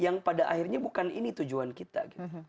yang pada akhirnya bukan ini tujuan kita